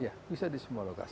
iya bisa di semua lokasi